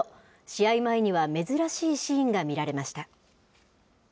試合前には珍しいシーンが見られました。